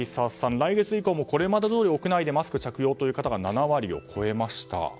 来月以降もこれまでどおり屋内でマスク着用という方が７割を超えました。